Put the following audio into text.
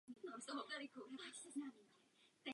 V současnosti je přístupný pro veřejnost.